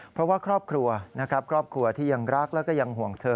เพราะว่าครอบครัวนะครับครอบครัวที่ยังรักแล้วก็ยังห่วงเธอ